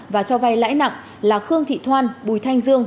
và cho vay lãi nặng là khương thị thoan bùi thanh dương